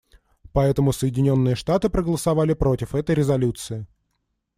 Поэтому Соединенные Штаты проголосовали против этой резолюции.